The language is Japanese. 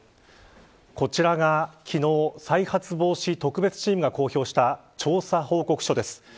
こちらが昨日再発防止特別チームが公表した調査報告書です。